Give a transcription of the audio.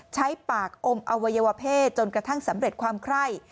ใช้ปากอมอวัยวเพศจนกระทั่งสำเร็จความไคร่